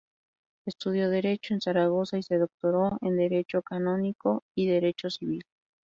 Estudió derecho en Zaragoza, y se doctoró en derecho canónico y derecho civil.